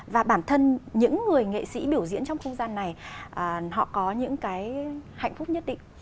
và bản thân những người nghệ sĩ biểu diễn trong không gian này họ có những cái hạnh phúc nhất định